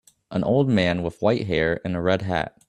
An old man with white hair in a red hat